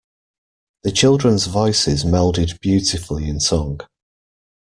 The children’s voices melded beautifully in song.